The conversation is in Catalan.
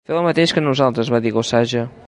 "Feu el mateix que nosaltres", va dir Gossage.